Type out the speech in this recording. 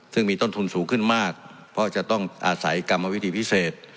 ซึ่งมีต้นทุนสูงขึ้นมากเพราะจะต้องอาศัยกรรมวิธีพิเศษ